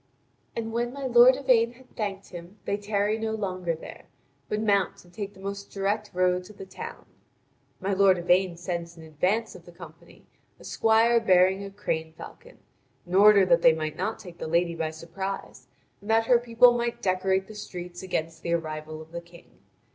And when my lord Yvain had thanked him, they tarry no longer there, but mount and take the most direct road to the town. My lord Yvain sends in advance of the company a squire beating a crane falcon, in order that they might not take the lady by surprise, and that her people might decorate the streets against the arrival of the King.